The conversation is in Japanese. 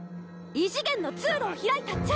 異次元の通路を開いたっちゃ。